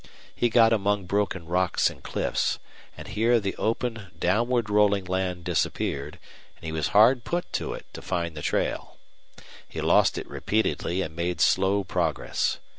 He got among broken rocks and cliffs, and here the open, downward rolling land disappeared, and he was hard put to it to find the trail. He lost it repeatedly and made slow progress.